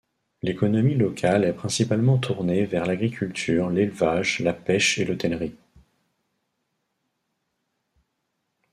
L'économie locale est principalement tournée vers l'agriculture, l'élevage, la pêche et l'hôtellerie.